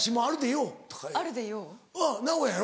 おう名古屋やろ？